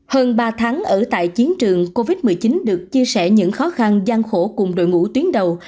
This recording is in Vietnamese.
hơn ba tháng ở tại chiến trường covid một mươi chín được chia sẻ những khó khăn gian khổ cùng đội ngũ tuyến đầu